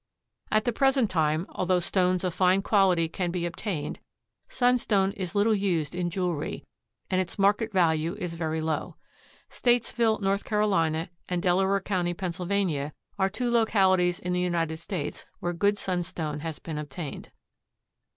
At the present time, although stones of fine quality can be obtained, sunstone is little used in jewelry, and its market value is very low. Statesville, North Carolina, and Delaware county, Pennsylvania, are two localities in the United States where good sunstone has been obtained.